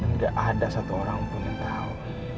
yang gak ada satu orang pun yang tau